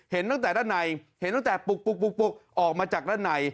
เห็นตั้งแต่ด้านในเห็นตั้งแต่ปุกออกมาจากด้านใน